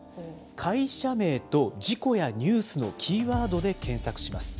会社名と事故やニュースのキーワードで検索します。